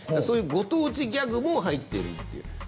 そういうご当地ギャグも入ってるという。